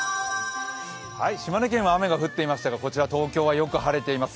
島根県は雨が降っていましたが、こちら東京はよく晴れています。